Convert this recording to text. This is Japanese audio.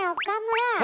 岡村。